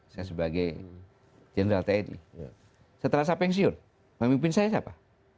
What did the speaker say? saya sebagai general teddy setelah saya pensiun pemimpin saya siapa